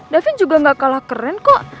david juga gak kalah keren kok